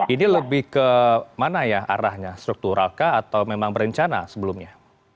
ini lebih ke mana ya arahnya struktural kah atau memang berencana sebelumnya